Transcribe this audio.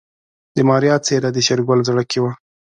د ماريا څېره د شېرګل زړه کې وه.